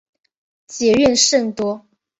结怨甚多。